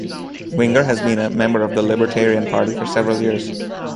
Winger has been a member of the Libertarian Party for several years.